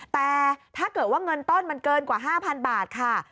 แต่ถ้าเกิดว่าเงินต้นมันเกินกว่า๕๐๐๐บาทค่ะ